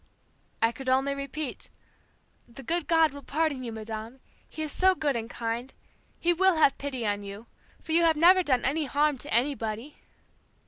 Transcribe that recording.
"I could only repeat, 'The good God will pardon you, Madame. He is so good and kind. He will have pity on you, for you have never done any harm to anybody.'